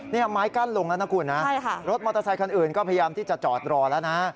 นี่ไม้กั้นลงแล้วนะคุณนะรถมอเตอร์ไซคันอื่นก็พยายามที่จะจอดรอแล้วนะ